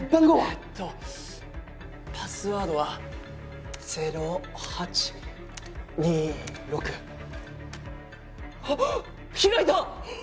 えっとパスワードはあっ開いた！